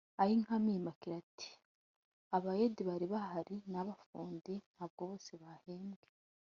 Ayinkamiye Immaculée ati “Abayede bari bahari n’abafundi ntabwo bose bahembwe